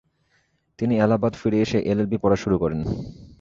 তিনি এলাহাবাদ ফিরে এসে এল.এল.বি পড়া শুরু করেন।